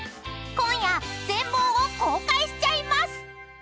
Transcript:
［今夜全貌を公開しちゃいます！］